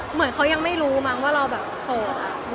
เหมือนเขายังไม่รู้มั้งว่าเราแบบโสด